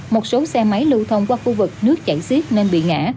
một số xe máy lưu thông qua khu vực nước chảy xiết nên bị ngã